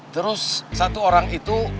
terus satu orang itu